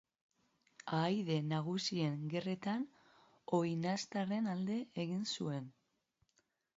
Ahaide Nagusien gerretan oinaztarren alde egin zuen.